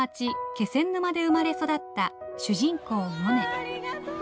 気仙沼で生まれ育った主人公モネ。